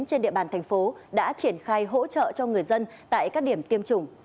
trên địa bàn thành phố đã triển khai hỗ trợ cho người dân tại các điểm tiêm chủng